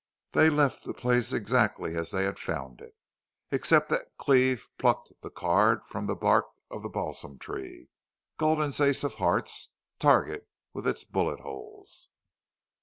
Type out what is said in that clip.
They left the place exactly as they had found it, except that Cleve plucked the card from the bark of the balsam tree Gulden's ace of hearts target with its bullet holes.